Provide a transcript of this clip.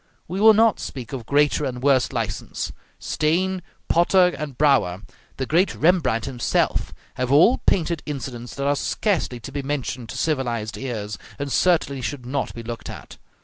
We will not speak of greater and worse license. Steen, Potter, and Brouwer, the great Rembrandt himself, have all painted incidents that are scarcely to be mentioned to civilized ears, and certainly should not be looked at.